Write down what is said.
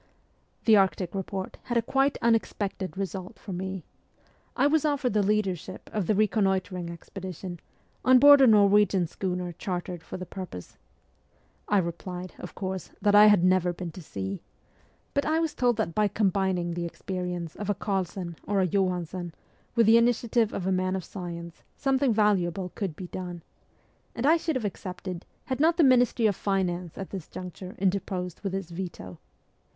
The Arctic report had a quite unexpected result for me. I was offered the leadership of the reconnoitring expedition, on board a Norwegian schooner chartered for the purpose. I replied, of course, that I had never been to sea ; but I was told that by combining the experience of a Carlsen or a Johansen with the initia tive of a man of science something valuable could be done ; and I should have accepted had not the Ministry of Finance at this juncture interposed with its veto.